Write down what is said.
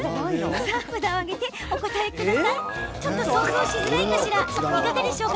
さあ、札を上げてお答えください。